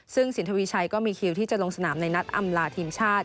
ซึ่งสินทวีชัยก็มีคิวที่จะลงสนามในนัดอำลาทีมชาติ